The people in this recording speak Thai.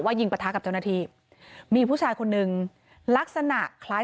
ยิงประทะกับเจ้าหน้าที่มีผู้ชายคนนึงลักษณะคล้าย